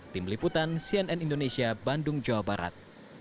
tim liputan cnn indonesia bandung jawa barat